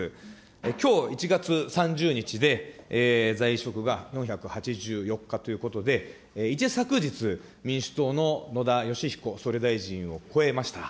きょう１月３０日で、在職が４８４日ということで、一昨日、民主党の野田佳彦総理大臣を超えました。